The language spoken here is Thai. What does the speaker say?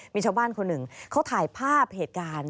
มีชาวบ้านคนหนึ่งเขาถ่ายภาพเหตุการณ์